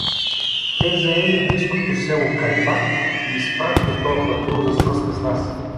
Те заели близкото село Кайпа и изпратили тоя патрул за свръзка с нас.